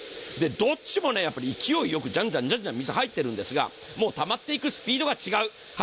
どっちも勢いよくじゃんじゃん水がはいっているんですが、もうたまっていくスピードが違う。